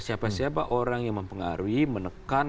siapa siapa orang yang mempengaruhi menekan